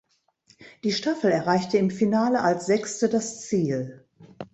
Die Staffel erreichte im Finale als Sechste das Ziel.